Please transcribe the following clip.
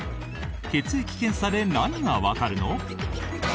血液検査で何がわかるの？